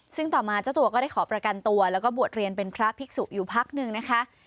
ซึ่งต่อมาเจ้าตัวก็ได้ขอประกันตัวแล้วก็บวชเรียนเป็นพระภิกษุอยู่พักหนึ่งนะคะ